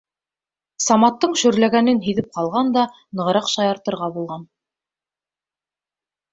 Саматтың шөрләгәнен һиҙеп ҡалған да нығыраҡ шаяртырға булған.